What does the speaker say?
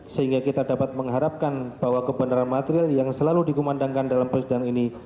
sehingga kita dapat mengharapkan bahwa kebenaran material yang selalu dikumandangkan dalam persidangan ini